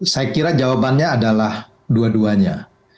saya kira jawabannya adalah dua duanya